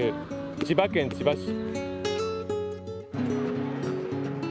千葉県千葉市。